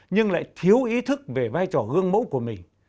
nhưng lại thiếu ý thức về vai trò gương mẫu của mình